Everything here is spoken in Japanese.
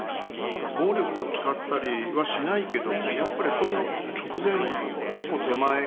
暴力を使ったりはしないけどもやっぱりそれの直前一歩手前ぐらいのね